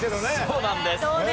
そうなんです。